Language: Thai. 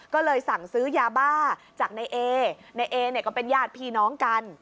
ก็เลยสั่งซื้อยาบ้าจากนายเอในเอเนี่ยก็เป็นญาติพี่น้องกัน